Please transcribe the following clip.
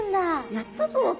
やったぞと。